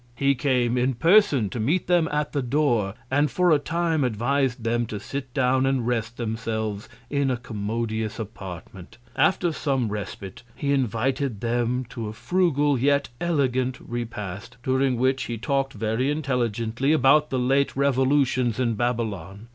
He came in Person to meet them at the Door, and for a Time, advis'd them to sit down and rest themselves in a commodious Apartment. After some Respite, he invited them to a frugal, yet elegant Repast; during which, he talk'd very intelligently about the late Revolutions in Babylon.